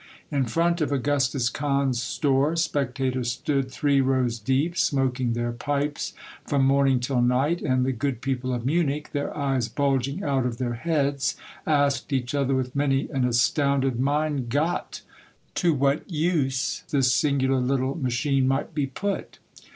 In front of Augustus Cahn's store spectators stood three rows deep, smoking their pipes from morning till night, and the good people of Munich, their eyes bulging out of their heads, asked each other with many an astounded '* Mcin Gott .'" to what use this singular little ma chine might be put.